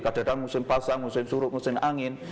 kadang kadang musim pasang musim surut musim angin